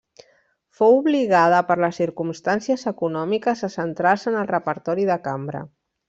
Fou obligada per les circumstàncies econòmiques a centrar-se en el repertori de cambra.